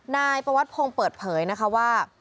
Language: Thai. นายประวัติพงศ์เปิดเผยนะคะว่า